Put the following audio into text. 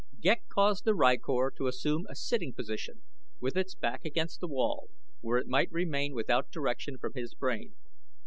Ghek caused the rykor to assume a sitting position with its back against the wall where it might remain without direction from his brain.